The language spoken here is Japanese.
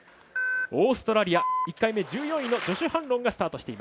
オーストラリア、１回目１４位のジョシュ・ハンロンがスタート。